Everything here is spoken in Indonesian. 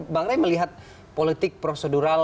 bang rey melihat politik prosedural